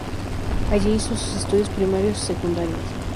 Allí hizo sus estudios primarios y secundarios.